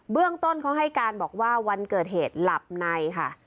เรื่องต้นเขาให้การบอกว่าวันเกิดเหตุหลับในค่ะ